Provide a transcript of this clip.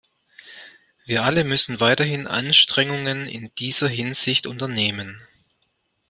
Wir alle müssen weiterhin Anstrengungen in dieser Hinsicht unternehmen.